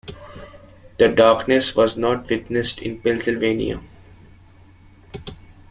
The darkness was not witnessed in Pennsylvania.